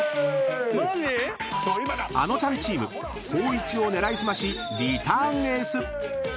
マジ⁉［あのちゃんチーム光一を狙い澄ましリターンエース］